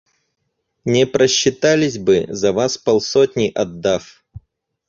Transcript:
Не просчитались бы, за вас полсотни отдав.